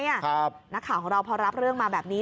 นักข่าวของเราพอรับเรื่องมาแบบนี้